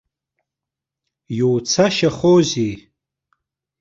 Иуцашьахозеи?